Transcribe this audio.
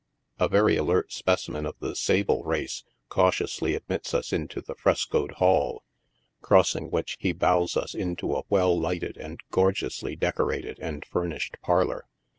A very alert specimen of the sable race cautiously admits us into the frescoed hall, crossing which he bows us into a well lighted and gorgeously decorated and furnished parlor.